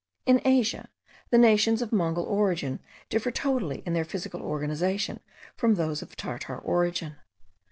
In Asia, the nations of Mongol origin differ totally in their physical organisation from those of Tartar origin.